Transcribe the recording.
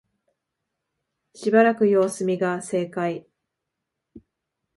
しばらく様子見が正解